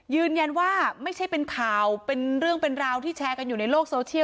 ยืนยันว่าไม่ใช่เป็นข่าวเป็นเรื่องเป็นราวที่แชร์กันอยู่ในโลกโซเชียล